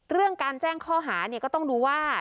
เรื่องการแจ้งข้อหาเนี่ยก็ต้องดูว่า